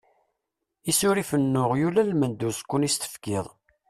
Isurifen n uɣyul almend uẓekkun i s-tefkiḍ.